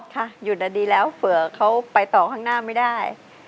หยุดดีแล้วเผื่อเขาไปต่อข้างหน้าไม่ได้